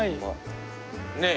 ねえ。